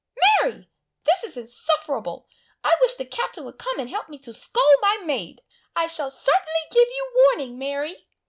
Mary! This is insufferable! I wish the Captain would come and help me to scold my maid! I shall certainly give you warning, Mary."